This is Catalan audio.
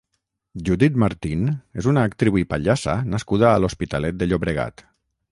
Judit Martín és una actriu i pallassa nascuda a l'Hospitalet de Llobregat.